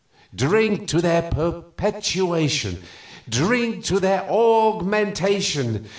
Drink to their perpetuation! Drink to their augmentation!